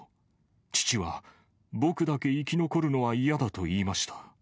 父は、僕だけ生き残るのは嫌だと言いました。